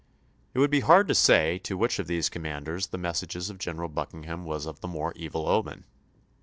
It would be hard to say to which of these commanders the message of General Buckingham was of the more evil omen.